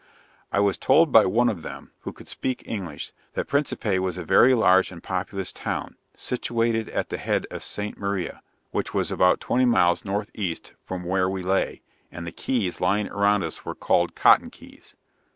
I was told by one of them, who could speak English, that Principe was a very large and populous town, situated at the head of St. Maria, which was about twenty miles northeast from where we lay, and the Keys lying around us were called Cotton Keys.